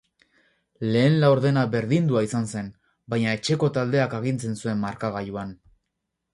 Lehen laurdena berdindua izan zen, baina etxeko taldeak agintzen zuen markagailuan.